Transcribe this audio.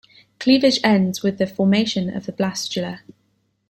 Cleavage ends with the formation of the blastula.